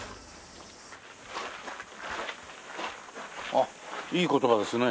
あっいい言葉ですね。